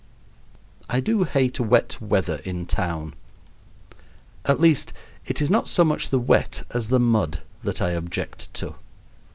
I do hate wet weather in town. At least, it is not so much the wet as the mud that I object to.